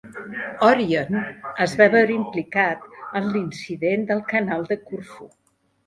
"Orion" es va veure implicat en l'incident del canal de Corfú.